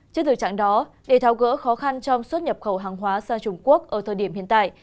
trước thời trạng đó để thao gỡ khó khăn trong xuất nhập khẩu hàng hóa sang trung quốc ở thời điểm hiện tại